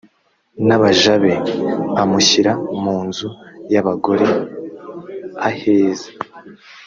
n abaja be amushyira mu nzu y abagore aheza